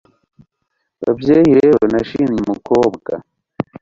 babyeyi rero, nashimye umukobwa